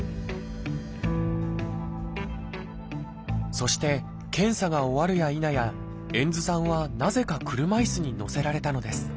そして検査が終わるやいなや遠津さんはなぜか車いすに乗せられたのです。